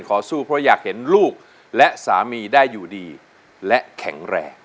สู้เพราะอยากเห็นลูกและสามีได้อยู่ดีและแข็งแรง